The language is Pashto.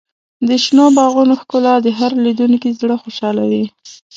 د شنو باغونو ښکلا د هر لیدونکي زړه خوشحالوي.